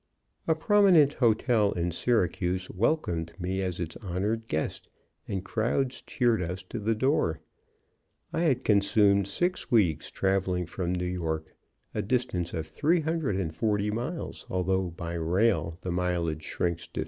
A prominent hotel in Syracuse welcomed me as its honored guest, and crowds cheered us to the door. I had consumed six weeks traveling from New York, a distance of 340 miles, although by rail the mileage shrinks to 303.